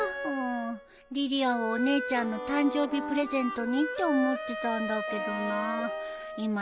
うんリリアンをお姉ちゃんの誕生日プレゼントにって思ってたんだけどなあ。